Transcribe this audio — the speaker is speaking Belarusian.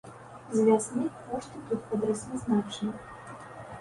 З вясны кошты тут падраслі значна.